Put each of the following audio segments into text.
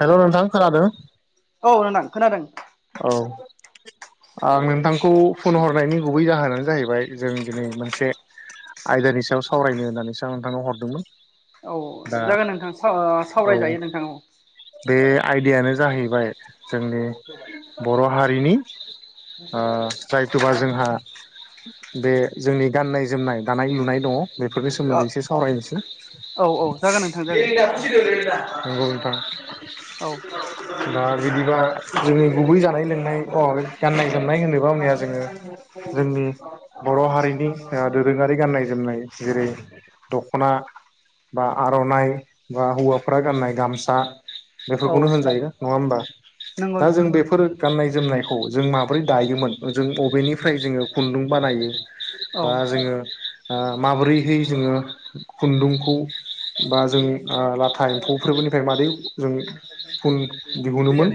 Hello नोंथां खोनादों औ नोथां खोनादों औ आं नोंथांखौ फन हरनायनि गुबै जाहोनानो जाहैबाय जों दिनै मोनसे आयदानि सायाव सावरायनो होननानैसो आं नोंथांनाव हरदोंमोन ‌। औ जागोन नोंथां सा ओ औ सावराय जायो नोंथां औ बे आयदायानो जाहैबाय जोंनि बर' हारिनि ओ जायथुबा जोंहा बे जोंनि गाननाय जोमनाय दानाय लुनाय दङ बेफोरनि औ सोमोन्दै एसे सावरायनोसै। औ औ जागोन नोंथां जागोन नंगौ नोंथां औ दा बिदिबा जोङो गुबै जानाय लोंनाय अ गाननाय जोमनाय होनोब्ला [unintelligible] जोङो जोंनि बर' हारिनि ओ दोरोङारि गाननाय जोमनाय जेरै दखना बा आर'नाइ बा हौवाफ्रा गाननाय गामसा औ बेफोरखौनो होनजायो नङा होमबा नंगौ दा नोंथां जों नंगौ बेफोर गाननाय जोमनायखौ जों माबोरै दायोमोन जों बबेनिफ्राय जोङो खुन्दुं बानायो ‌ औ बा जोङो ओ माबोरैहै जोङो खुन्दुंखौ बा जों ओ लाथा एम्फौफोरबोनिफ्राय मादै जों खुन दिहुनोमोन।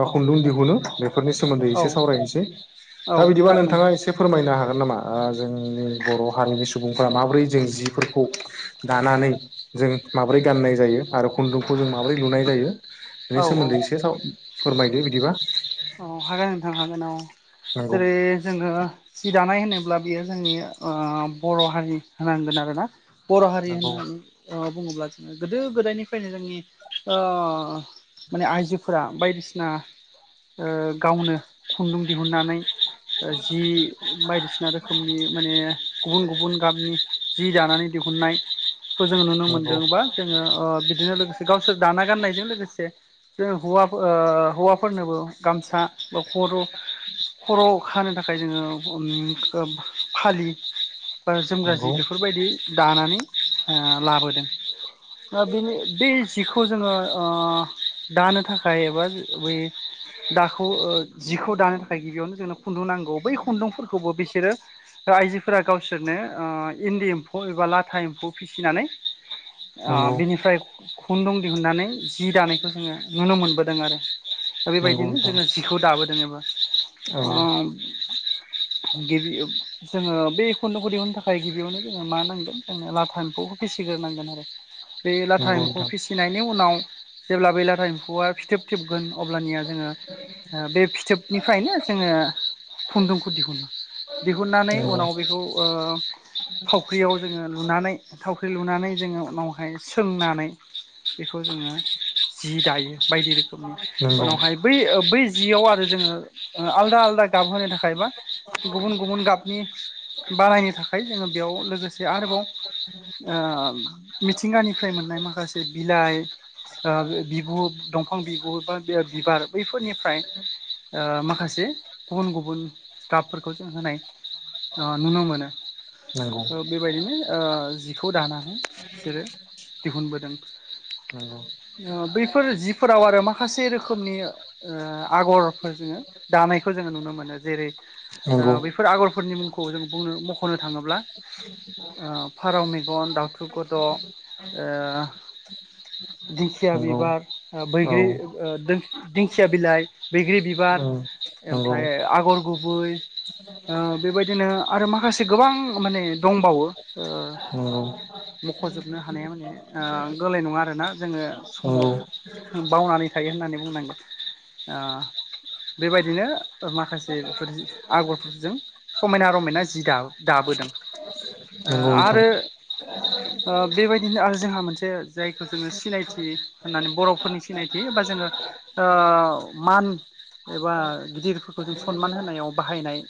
बा औ खुन्दुं दिहुनो बेफोरनि सोमोन्दै औ एसे सावरायनोसै औ दा बिदिबा जागोन नोंथाङा नोंथां एसे से फोरमायनो हागोन नामा आ जों बर' हारिनि सुबुंफ्रा माबोरै जों जिफोरखौ दानानै जों माबोरै गाननाय जायो आरो खुन्दुंखौ जों माबोरै लुनाय जायो। बेनि औ औ सोमोन्दै एसे साव फोरमायदो बिदिबा औ हागोन नोंथां हागोन औ नंगौ जेरै जोङो सि दानाय होनोब्ला बियो जोंनि ओ बर' हारि होनांगोन आरोना बर' हारि नंगौ होननानै ओ बुङोब्ला जोङो गोदो गोदायनिफ्रायनो जोंनि ओ माने आइजोफोरा बायदिसिना ओ गावनो खुन्दुं दिहुननानै ओ जि बायदिसिना रोखोमनि माने गुबुन गुबुन गाबनि जि दानानै दिहुननाय। खौ जोंङो नुनो नंगौ मोनदों बा जोङो ओ बिदिनो लोगोसे गावसोर दाना गाननायजों लोगोसे जों हौवाफ ओ हौवाफोरनोबो गामसा बा खर' खर' खानो थाखाय जोङो अन फालि बा नंगौ जोमगाज्रि बेफोरबायदि दानानै ओ लाबोदों। बेनि बे जिखौ जोङो दानो थाखाय एबा बै दाखौ जिखौ दानो थाखाय गिबियावनो जोंनो खुन्दुं नांगौ बै खुन्दुंफोरखौबो बिसोरो आइजोफोरा गावसोरनो इन्दि एम्फौ एबा लाथा एम्फौ फिसिनानै ओ नंगौ बिनिफ्राय खुन्दुं दिहुननानै जि दानायखौ जोङो नुनो मोनबोदों आरो। दा नोंगौ बेबायदिनो नोंथां। जोङो जिखौ दाबोदों एबा अ औ गिबि जोङो बेखुन्द'खौ दिहनो थाखाय गिबियावनो जोङो मा नांगोन जोङो लाथा एम्फौखौ फिसिग्रोनांगोन आरो बे लाथा नंगौ एम्फौखौ नोंथां फिसि फिनायनि उनाव जेब्ला बेैलाथा एम्फौआ फिथोब थोबगोन अब्लानिया जोङो बे फिथोबनिफ्रायनो जोङो खुन्दुंखौ दिहुनो दिहुननानै नंगौ उनाव बेखौ ओ थावख्रियाव जोङो लुनानै थावख्रि लुनानै जोङो उनावहाय सोंनानै बेखौ जोङो जि दायो बायदि रोखोमनि नंगौ उनावहाय बै- बै जियाव आरो जोङो आलदा आलदा गाबहोनो थाखा खाय बा गुबुन गुबुन गाबनि बानायनो थाखाय जोङो बेयाव लोगोसे आरोबाव मिथिंगानिफ्राय मोननाय माखासे बिलाइ आ बिगु दंफां बिगु बा बिबार बैफोरनिफ्राय ओ माखासे गुबुन गुबुन गाबफोरखौ जों होनाय अ नुनो मोनो नंगौ बेबायदिनो ओ जिखौ दानानै बिसोरो दिहुनबोदों बैफोर जिफोराव आरो माखासे रोखोमनि आगर जोङो दानायखौ जोङो नुनो मोनो जेरै ओ नंगौ बै फोर आगरफोरनि मुंखौ जों बुंनो मख'नो थाङोब्ला फारौ मेगन दाउथु गद' ओ नंगौ दिंखिया बिबार ओ औ बैग्रि दो दिं खिया बिलाइ, बैग्रि बिबार, उम नंगौ ओमफ्राय आगर गुबै ओ बेबायदिनो आरो माखासे गोबां माने दंबावो ओ नंगौ मख'जोबनो हानाया माने गोरलै नङा आरोना जोङो समाव बावनानै थायो होननानै बुंनांगोन। ओ बेबायदिनो माखासे बेफोर आगरफोरजों समायना रमायना जि दा- दाबोदों। नंगौ नोंथां आरो बेबायदिनो आरो जोंहा मोनसे जायखौ जोङो सिनायथि होननानै बर'फोरनि सिनायथि बा जोङो ओ मान एबा गिदिरफोरखौ जों सनमान होनायाव बाहायनाय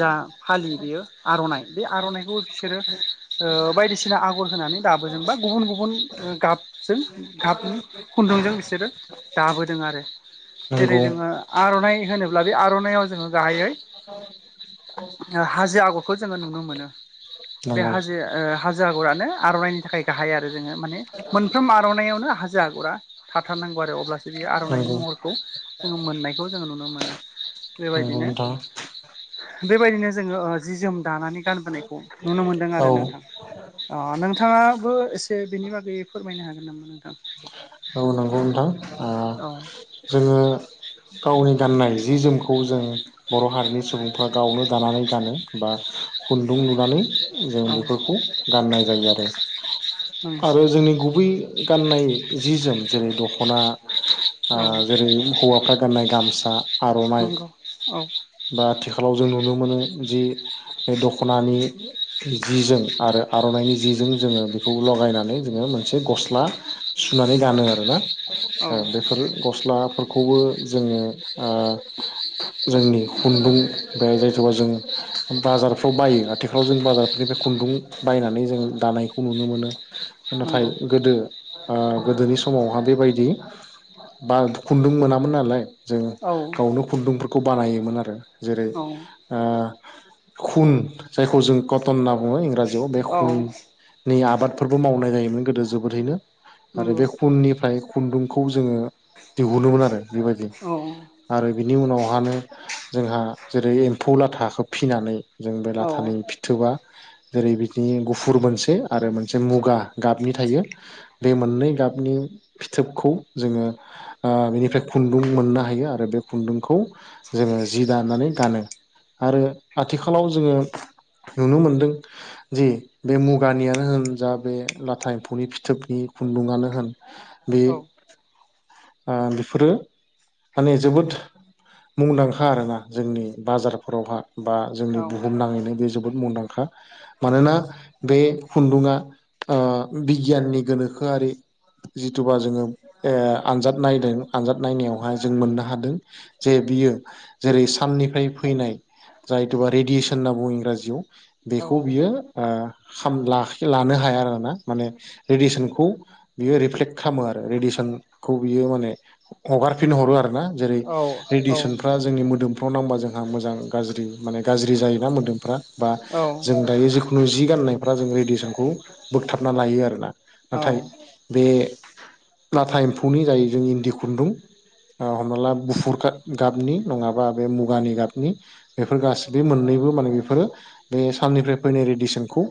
जा फालि बेयो आर'नाइ बे आर'नाइखौबो बिसोरो ओ बायदिसिना आगर होनानै दाबोजों बा गुबुन गुबुन गाबजों गाबनि खुन्दुंजों बिसोरो दाबोदों आरो। जेरै नंगौ जोङो आर'नाइ होनोब्ला बे आर'नाइाव जोङो गाहायै हाजो आगरखौ जोङो नुनो मोनो। बे नंगौ नंगौ हाजो हाजो आगरानो आर'नाइनि थाखाय गाहाय आरो जोङो माने मोनफ्रोम आर'नाइावनो हाजो आगरा थाथारनांगौ आरो अब्लासो बे आर'नाइनि नंगौ महरखौ जोङो मोननायखौ जोङो नुनो मोनो। बेबायदिनो नोंथां बेबायदिनो जोङो जि जोम दानानै गानबोनायखौ नुनो मोनदों औ आरो नोंथां। अ नोंथाङाबो एसे बेनि बागै फोरमायनो हागोन नामा नोंथां। औ नंगौ नोंथां आ औ। जोङो गावनि गाननाय जि जोमखौ जों बर' हारिनि सुबुंफ्रा गावनो दानानै गानो बा खुन्दुं लुनानै जों औ बेफोरखौ गाननाय जायो आरो आरो जोंनि गुबै गाननाय जि-जोम जेरै दख'ना ओ जेरै-हौवाफ्रा गाननाय गामसा, आर'नाइ नंगौ औ बा आथिखालाव जों नुनो मोनो जि बे दख'नानि जि-जोम आरो आर'नाइनि जिजों जोंङो बेखौ लगायनानै जोंङो मोनसे गस्ला सुनानै गानो आरो ना। नंगौ औ बे फोर गस्लाफोरखौबो जोंङो जोंनि खुन्दुं बे जायखोवबा जों बाजारफोराव बायो। आथिखालाव जों बाजारफोरनिफ्राय खुन्दुं बायनानै जोंङो दानायखौ नुनो मोनो। नाथाय नंगौ गोदो, ओ गोदोनि समावहाय बेबायदि बा खुन्दुं मोनामोन नालाय, जों औ गावनो खुन्दुंफोरखौ बानायोमोन आरो। जेरै- औ ओ खुन जायखौ जों कटन होनना बुंङो इंराजि बे औ खुननि आबादफोरबो मावनाय जायोमोन गोदो जोबोदैनो। आरो नंगौ बे खुननिफ्राय खुन्दुंखौ जोंङो दिहुनोमोन आरो। बेबायदि। औ आरो बिनि उनावहानो जोंहा जेरै- एम्फौ लाथाखौ फिसिनानै जों बे औ लााथानि फि फिथोबआ जेरै- बिदिनो गुफुर मोनसे आरो मोनसे मुगा गाबनि थायो। बे मोननै गाबनि फिथोबखौ जोंङो ओ बेनिफ्राय खुन्दुं मोननो हायो। आरो बे खुन्दुंखौ जोंङो जि दानानै गानो। आरो आथिखालाव जोंङो नुनो मोनदों। जि बे मुगानियानो होन जा, बे लाथा एम्फौनि फिथोबनि खुन्दुंआनो होन बे औ ओ बेफोरो माने, जोबोद मुंदांखा आरोना ‌। जोंनि बाजारफोरावहाय बा औ जोंनि बुहुम नांङैनो बे जोबोद मुंदांखा। मानोना, बे खुन्दुंङा बिगियाननि गोनोखोआरि जिथुबा जोंङो ओ आनजाद नायदों, आनजाद नायनायावहाय जों मोननो हादों। जे बियो जेरै-साननिफ्राय फैनाय जायथुबा रेडियेसन होनना बुंङो इंराजिआव। औ बेखौ औ बियो ओ खामलाखोव लानो हाया आरो ना। माने रेडिसनखौव बियो रिफ्लेक्ट खालामो आरो। रेडिसन खौ बियो माने हगारफिन हरो आरो ना। जेरै- औ औ औ रेडियेसनफ्रा जोंनि मोदोम आव नांबा जोंहा मोजां, गाज्रि माने गाज्रि जायोना मोदोमफ्रा। बा जों दायो खुननिजि गाननायफ्रा जों रेडियेसनखौ बोगथाबना लायो आरो ना। नाथाय बे-लाथा एम्फौनि जाय जों इन्दि खुन्दुं हमना ला, गुफुर गाबनि नङाबा बे मुगानि गाबनि बेफोर गासिबो मोननैबो माने बेफोरो बे साननिफ्राय फैनाय रेडियेसनखौ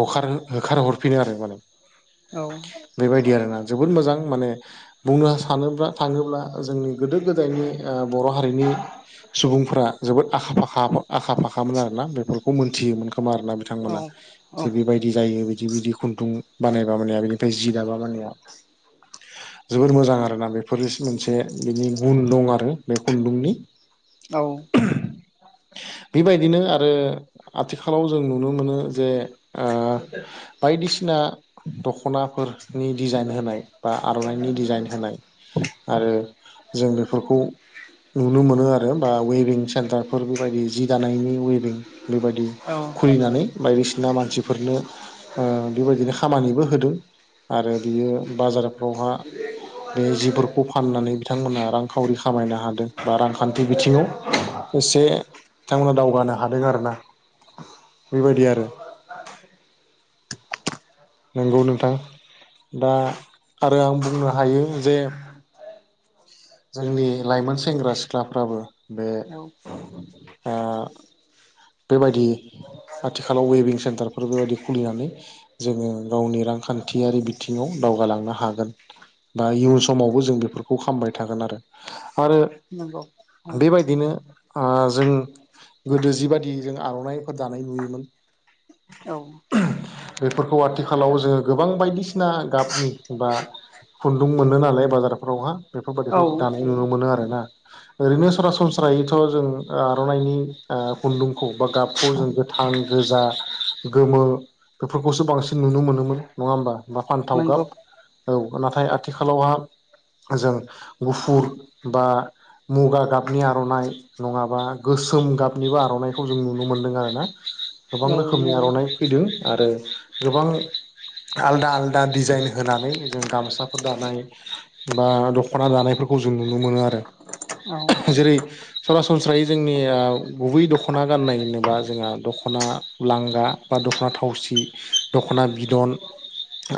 हगार, होखार हरफिनो आरो माने। औव। बेबायदि आरोना। जोबोद मोजां माने बुंनो सानोब्ला, थांङोब्ला जोंनि गोदो- गोदायनि बर' हारिनि सुबुंफोरा जोबोद आखा-फाखा, आखा फाखामोन आरोना बेफोरखौ मोनथियोमोन खोमा आरोना बिथांमोना। थिग बेबायदि जायो। बिदि-बिदि खुन्दुं बानायबा मानया बेनिफ्राय जि दाबा मानेया जोबोर मोजां आरोना। बेफोर मोनसे बिनि गुन दं आरो बे खुन्दुंनि। औव। बेबायदिनो आरो आथिखालाव जों नुनो मोनो जे ओ बायदिसिना दख'नाफोरनि डिजाइन होनाय बा आर'नाइनि डिजाइन होनाय आरो जों बेफोरखौ नुनो मोनो आरो बा उयभिं सेन्टारफोर बेबायदि जि दानायनि उयभिं बेबायदि खुलिनानै बायदिसिना मानसिफोरनो ओ बेबायदिनो खामानिबो होदों आरो बियो बाजारफ्रावहा बे जिफोरखौ फाननानै बिथांमोना रांखावरि खामायनो हादों बा रांखान्थि बिथिङाव एसे बिथांमोना दावगानो हादों आरोना बेबायदि आरो नंगौ नोंथां दा आरो आं बुंनो हायो जे जोंनि लाइमोन सेंग्रा सिख्लाफ्राबो बे ओ बेबायदि आथिखालाव उयभिं सेन्टारफोर बेबायदि खुलिनानै जोङो गावनि रांखान्थियारि बिथिङाव दावगालांनो हागोन बा इयुन समावबो जों बेफोरखौ खामबाय थागोन आरो आरो नंगौ औ बेबायदिनो ओ जों गोदो जिबायदि जों आर'नाइफोर दानाय नुयोमोन औ औ औ बेफोरखौ आथिखालाव जोङो गोबां बायदिसिना गाबनि बा खुन्दुं मोनो नालाय बाजारफोरावहा नंगौ औ बेफोरबायाददिखौ दानाय नुनो मोनो आरोना ओरैनो सरासनस्रायैथ' जों आर'नाइनि ओ खुन्दुंखौ बा गाबखौ जों गोथां गोजा गोमो बेफोरखौसो बांसिन नुनो मोनोमोन नङा होमबा बा फानथाव गाब नंगौ औ नाथाय आथिखालावहा जों गुफुर बा मुगा गाबनि आर'नाइ नङाबा गोसोम गाबनिबो आर' नाय जों नुनो मोन्दों आरो ना। गोबां रोखोमनि आर'नाइ फैदों आरो गोबां आलदा आलदा डिजाइन होनानै जों गामसाफोर दानाय बा दख'ना दानायफोरखौ जों नुनो मोनो आरो [unintelligible] जेरै सरासनस्रायै जोंनि गुबै दख' ना गाननाय होनोबा जोंहा दख'ना लांगा बा दख'ना थावसि दख'ना बिदन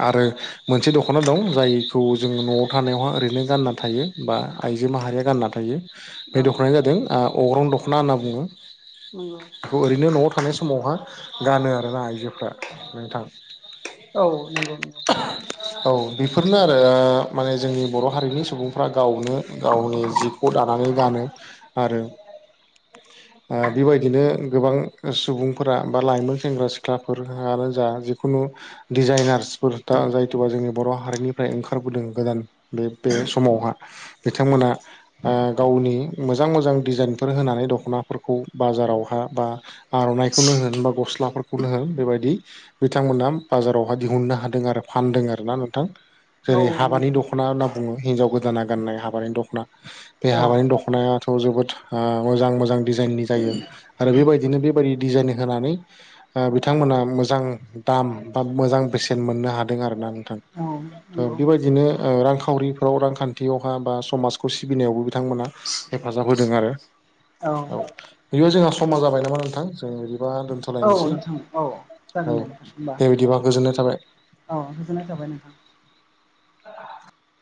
आरो मोनसे दख'ना दं जायखौ जों न'आव थानायावहा ओरैनो गानना थायो बा आइजो माहारिया गानना थायो। बे दख'नाया जादों ओ अग्रं दख'ना होनना बुङो बेखौ ओरैनो न'आव थानाय समावहा गानो आरोना आइजोफ्रा नोंथां औ नंगौ [unintelligible] औ बेफोरनो आरो माने जोंनि बर' हारिनि सुबुंफ्रा गावनो गावनि जि खौ दानानै गानो आरो ओ बेबायदिनो गोबां सुबुंफोरा बा लाइमोन सेंग्रा सिख्लाफोरानो जा जिखुनु दिडजाइनार्सफोर दा जायथबा जोंनि बर' हारिनिफ्राय ओंखारबोदों गोदान बे बे समावहा बिथांमोना ओ गावनि मोजां मोजां डिजाइनफोर होनानै दख'नाफोर खौ बाजारावहा बा आर'नाइखौनो होन बा गस्लाफोरखौनो होन बेबायदि बिथांमोना बाजारावहाय दिहुननो हादों आरो फानदों आरोना नोंथां। औ जेरै- हाबानि नंगौ दख ना होनना बुङो हिन्जाव गोदाना गाननाय हाबानि दख'ना बे औ हाबानि दख'नायाथ' जोबोद मोजां मोजां डिजाइननि जायो आरो बेबायदिनो बेबायदि डिजाइनिं होनानै बिथांमोना मोजां दाम बा मोजां बेसेन मोननो हादों आरोना नोंथां नंगौ बेबायदिनो औ रांखावरिफ्राव रांखान्थियावहा बा समाजखौ सिबिनायावबो बिथांमोना हेफाजाब होदों आरो। औ बेयाव जोंहा समा जाबाय नामा नोंथां! जों बिदिबा नोंथां औ थ'लायनोसै नोंथां औ औ जागोन दे नोंथां होमबा दे बिदिबा गोजोननाय थाबाय औ गोजोननाय थाबाय नोंथां [unintelligible]